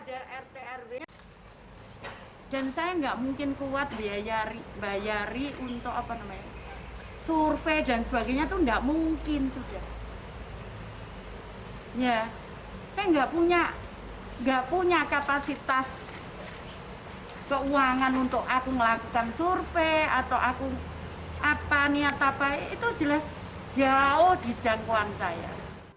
apa niat apa itu jelas jauh di jangkauan saya